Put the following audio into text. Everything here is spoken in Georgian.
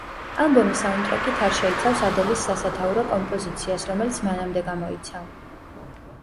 ალბომი საუნდტრეკით არ შეიცავს ადელის სასათაურო კომპოზიციას, რომელიც მანამდე გამოიცა.